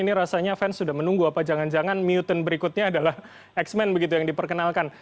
ini rasanya fans sudah menunggu apa jangan jangan muten berikutnya adalah x men begitu yang diperkenalkan